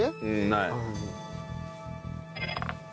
ない。